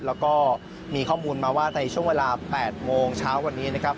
แล้วก็มีข้อมูลมาว่าในช่วงเวลา๘โมงเช้าวันนี้นะครับ